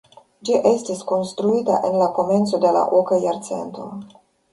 Ĝi estis konstruita en la komenco de la oka jarcento.